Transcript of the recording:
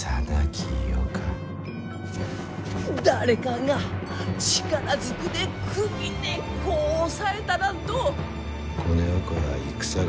誰かが力ずくで首根っこを押さえたらんと。